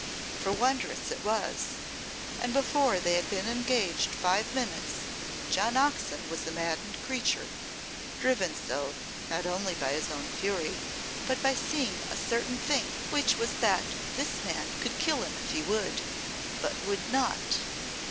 For wondrous it was, and before they had been engaged five minutes John Oxon was a maddened creature, driven so, not only by his own fury, but by seeing a certain thing which was that this man could kill him if he would, but would not.